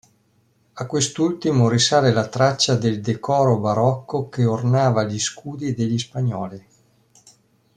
A quest'ultimo risale la traccia del decoro barocco che ornava gli scudi degli spagnoli.